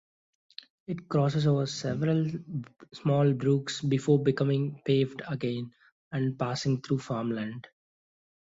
It crosses over several small brooks before becoming paved again and passing through farmland.